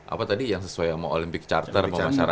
apa tadi yang sesuai sama olympic charter